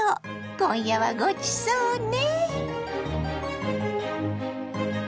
今夜はごちそうね。